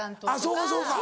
そうかそうか。